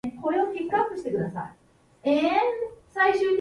アイスが食べたい